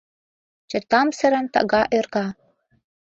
ЧЫТАМСЫРЫМ ТАГА ӦРГА